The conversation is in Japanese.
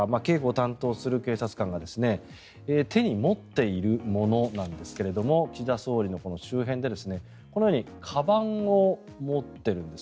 警護を担当する警察官が手に持っているものなんですけれども岸田総理の周辺でこのようにかばんを持っているんです。